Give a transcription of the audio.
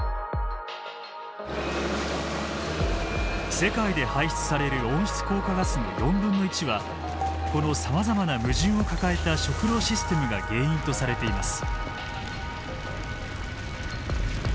世界で排出される温室効果ガスの４分の１はこのさまざまな矛盾を抱えた食料システムが原因とされています。